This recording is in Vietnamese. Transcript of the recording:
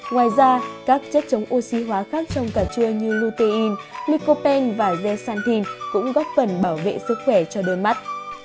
ngoài ra các chất chống oxy hóa khác trong cà chua như lutein lycopene và zesantin cũng góp phần bảo vệ sức khỏe cho đôi mắt